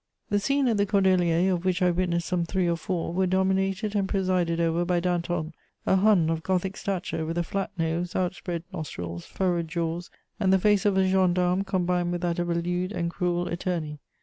* The scenes at the Cordeliers, of which I witnessed some three or four, were dominated and presided over by Danton, a Hun of Gothic stature, with a flat nose, outspread nostrils, furrowed jaws, and the face of a gendarme combined with that of a lewd and cruel attorney.